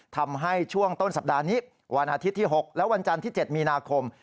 ทำให้ช่วงต้นสัปดาห์นี้วันอาทิตย์ที่๖และวันจันทร์ที่๗มีนาคม